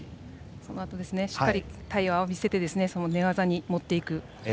そのあとしっかり対応を見せて寝技に持っていく。